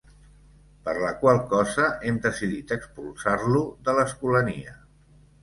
Per la qual cosa hem decidit expulsar-lo de l'Escolania.